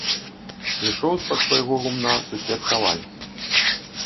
Ішоў з-пад свайго гумна сусед каваль.